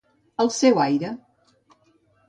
Al seu aire.